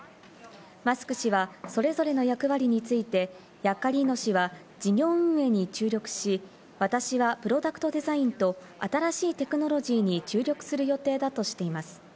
マスク氏はそれぞれの役割についてヤッカリーノ氏は事業運営に注力し、私はプロダクトデザインと新しいテクノロジーに注力する予定だとしています。